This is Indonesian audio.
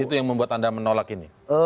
itu yang membuat anda menolak ini